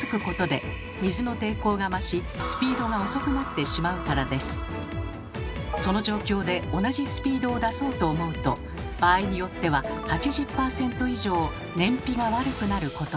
というのも船の底にその状況で同じスピードを出そうと思うと場合によっては８０％以上燃費が悪くなることも。